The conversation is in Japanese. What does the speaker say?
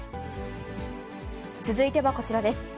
続いてはこちらです。